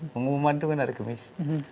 pengumuman itu kan hari kemis